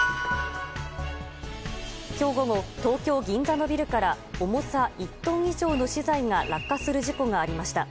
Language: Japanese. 今日午後、東京・銀座のビルから重さ１トン以上の資材が落下する事故がありました。